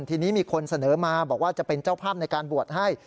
ทีนี้มีคนเสนอมาบอกว่าจะเป็นเจ้าภาพในการบวชให้